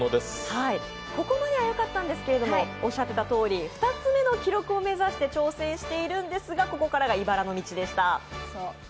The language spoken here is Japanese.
ここまではよかったんですけどおっしゃったとおり２つ目の記録を目指して挑戦しているんですがここからが、いばらの道でした。